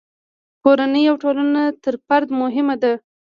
کورنۍ او ټولنه تر فرد مهمه ده.